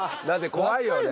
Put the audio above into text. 怖いよね。